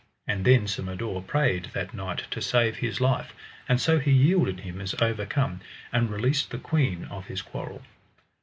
And then Sir Mador prayed that knight to save his life, and so he yielded him as overcome, and released the queen of his quarrel.